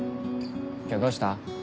今日どうした？